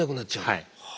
はい。